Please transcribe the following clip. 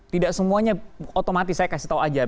tidak semuanya otomatis saya kasih tahu aja